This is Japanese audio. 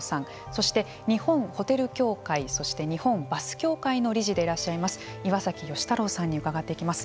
そして、日本ホテル協会そして日本バス協会の理事でいらっしゃいます岩崎芳太郎さんに伺っていきます。